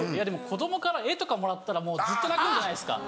子供から絵とかもらったらずっと泣くんじゃないですか？